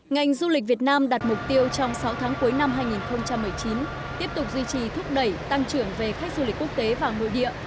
ngành du lịch việt nam đặt mục tiêu trong sáu tháng cuối năm hai nghìn một mươi chín tiếp tục duy trì thúc đẩy tăng trưởng về khách du lịch quốc tế và nội địa